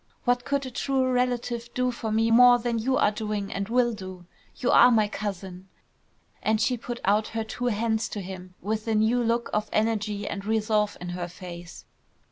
What could a true relative do for me more than you are doing and will do. You are my cousin!" And she put out her two hands to him with a new look of energy and resolve in her face.